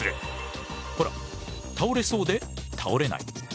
ほら倒れそうで倒れない。